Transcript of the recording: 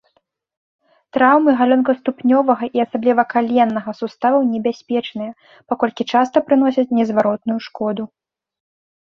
Траўмы галёнкаступнёвага і асабліва каленнага суставаў небяспечныя, паколькі часта прыносяць незваротную шкоду.